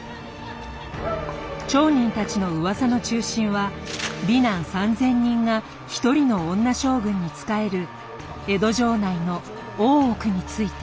町人たちの噂の中心は美男３，０００人が一人の女将軍に仕える江戸城内の「大奥」について。